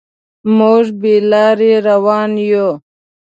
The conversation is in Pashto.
موږ بې لارې روان یو.